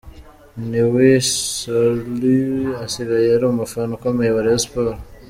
Niwin Sorlu asigaye ari umufana ukomeye wa Rayon Sports.